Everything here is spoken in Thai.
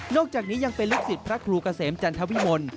นอกจากนี้ยังเป็นลักษิติพระครูกาเสมจันทวิมล์